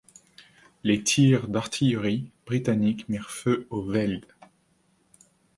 Les tirs d'artillerie britanniques mirent feu au veld.